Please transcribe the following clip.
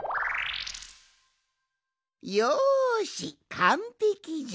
よしかんぺきじゃ！